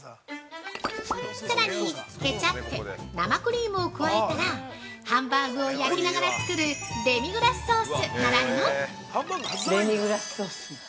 ◆さらに、ケチャップ、生クリームを加えたらハンバーグを焼きながら作るデミグラスソースならぬ◆レミグラスソース。